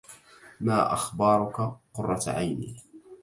ما أخبارك قرة عيني